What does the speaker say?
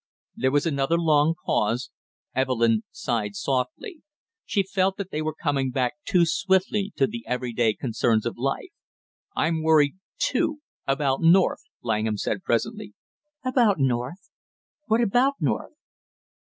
There was another long pause. Evelyn sighed softly; she felt that they were coming back too swiftly to the every day concerns of life. "I'm worried, too, about North!" Langham said presently. "About North what about North?"